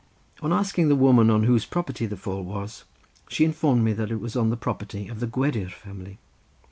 On asking the woman on whose property the fall was, she informed me that it was on the property of the Gwedir family.